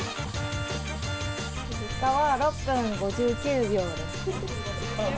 結果は６分５９秒です。